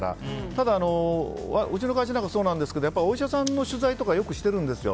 ただ、うちの会社でもそうなんですがお医者さんの取材とかよくしてるんですよ。